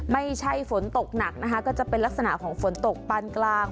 ไม่ใช่ฝนตกหนักนะคะก็จะเป็นลักษณะของฝนตกปานกลาง